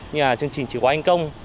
như là chương trình chỉ quán anh công